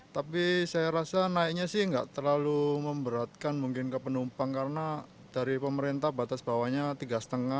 tapi saya rasa naiknya sih nggak terlalu memberatkan mungkin ke penumpang karena dari pemerintah batas bawahnya tiga lima